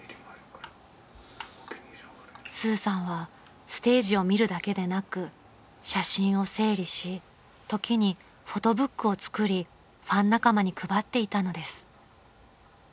［スーさんはステージを見るだけでなく写真を整理し時にフォトブックを作りファン仲間に配っていたのです］